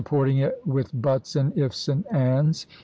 porting it with " buts," and " ifs," and " ands."